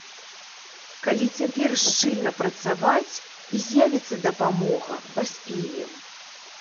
Калі цяпер шчыльна працаваць і з'явіцца дапамога, паспеем.